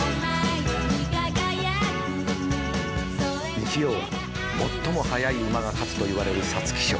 日曜最も速い馬が勝つといわれる皐月賞。